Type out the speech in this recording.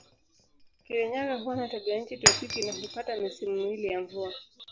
Kirinyaga huwa na tabianchi tropiki na hupata misimu miwili ya mvua.